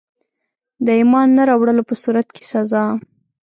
د ایمان نه راوړلو په صورت کي سزا.